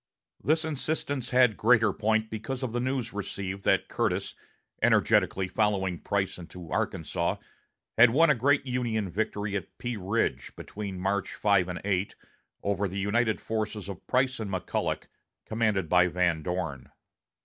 This insistence had greater point because of the news received that Curtis, energetically following Price into Arkansas, had won a great Union victory at Pea Ridge, between March 5 and 8, over the united forces of Price and McCulloch, commanded by Van Dorn.